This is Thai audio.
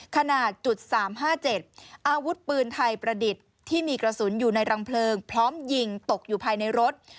ขนาด๓๕๗อาวุธปืนไทยประดิษฐ์ที่มีกระสุนอยู่ในรังเพลิงพร้อมยิงตกอยู่ภายในรถ